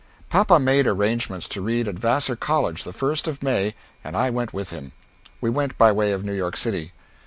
Papa made arrangements to read at Vassar College the 1st of May, and I went with him. We went by way of New York City.